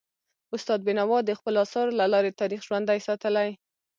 استاد بینوا د خپلو اثارو له لارې تاریخ ژوندی ساتلی.